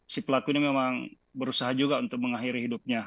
si pelaku ini memang berusaha juga untuk mengakhiri hidupnya